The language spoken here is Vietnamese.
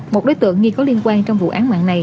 một đối tượng nghi có liên quan trong vụ án mạng này